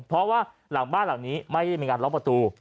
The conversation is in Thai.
เพราะว่าหลังบ้านหลังนี้ไม่ได้มีการล็อกประตู